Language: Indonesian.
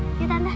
iya sai tante